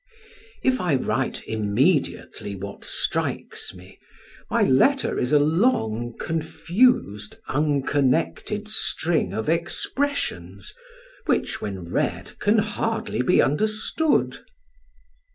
If I write immediately what strikes me, my letter is a long, confused, unconnected string of expressions, which, when read, can hardly be understood.